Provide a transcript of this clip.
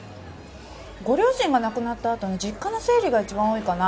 ご両親が亡くなったあとの実家の整理が一番多いかな。